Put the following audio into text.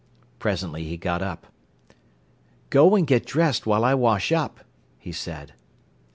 Presently he got up. "Go and get dressed while I wash up," he said.